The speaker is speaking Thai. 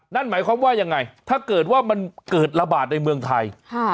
นั่นหมายความว่ายังไงถ้าเกิดว่ามันเกิดระบาดในเมืองไทย